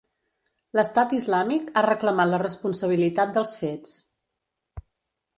L'Estat islàmic ha reclamat la responsabilitat dels fets.